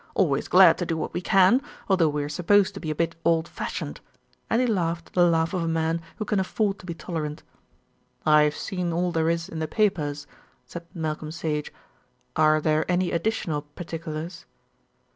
"Always glad to do what we can, although we are supposed to be a bit old fashioned," and he laughed the laugh of a man who can afford to be tolerant. "I've seen all there is in the papers," said Malcolm Sage. "Are there any additional particulars?"